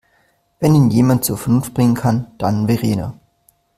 Wenn ihn jemand zur Vernunft bringen kann, dann Verena.